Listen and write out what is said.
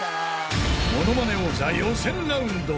［『ものまね王座』予選ラウンド］